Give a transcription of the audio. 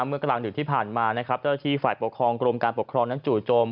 เมื่อกลางดึกที่ผ่านมานะครับเจ้าที่ฝ่ายปกครองกรมการปกครองนั้นจู่โจม